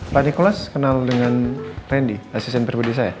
pak nikolas kenal dengan randy asisten pribadi saya